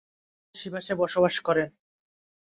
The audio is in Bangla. তিনি কিছুকাল সিভাসে বসবাস করেন।